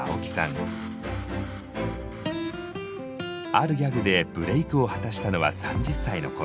あるギャグでブレークを果たしたのは３０歳の頃。